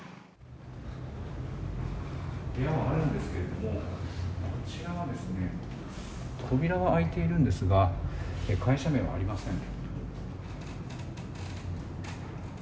部屋はあるんですがこちら扉は開いているんですが会社名はありません。